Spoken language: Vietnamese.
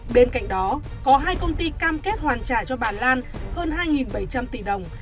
bên cạnh đó có hai công ty cam kết hoàn trả cho bà lan hơn hai bảy trăm linh tỷ đồng